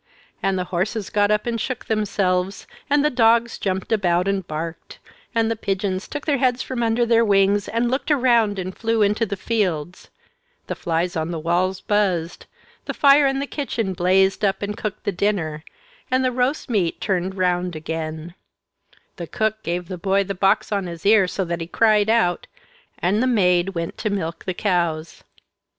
And the horses got up and shook themselves, and the dogs jumped about and barked; the pigeons took their heads from under their wings, and looked around and flew into the fields; the flies on the walls buzzed; the fire in the kitchen blazed up and cooked the dinner, and the roast meat turned round again; the cook gave the boy the box on his ear so that he cried out, and the maid went to milk the cows.